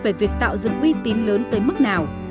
về việc tạo dựng uy tín lớn tới mức nào